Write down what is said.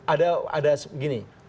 kalau itu ada begini